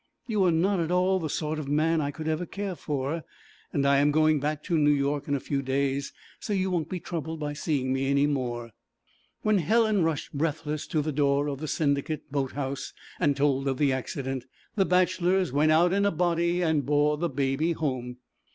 You are not at all the sort of man I could ever care for, and I am going back to New York in a few days, so you won't be troubled by seeing me any more.' When Helen rushed breathless to the door of the Syndicate boat house and told of the accident, the bachelors went out in a body and bore the Baby home.